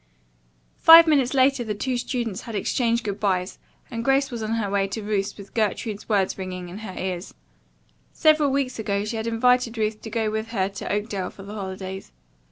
Five minutes later the two students had exchanged good byes and Grace was on her way to Ruth's with Gertrude's words ringing in her ears. Several weeks ago she had invited Ruth to go with her to Oakdale for the holidays.